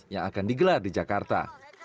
dua ribu enam belas yang akan digelar di jakarta